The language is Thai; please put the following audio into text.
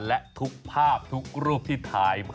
และทุกภาพทุกรูปที่ถ่าย